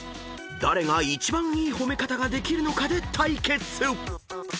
［誰が一番いい褒め方ができるのかで対決］